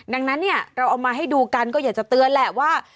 ดังนั้นเนี่ยเราเอามาให้ดูกันก็อยากจะเตือนแหละว่า